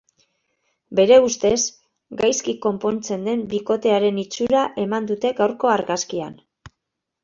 Bere ustez, gaizki konpontzen den bikotearen itxura eman dute gaurko argazkian.